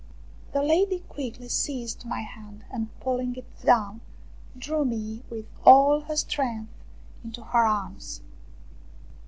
The lady quickly seized my hand and pulling it down, drew me with all her strength into her arms.